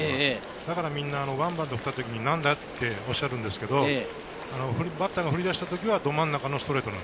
だからみんな振った時なんだとおっしゃるんですけど、バッターが振り出した時にはど真ん中のストレート。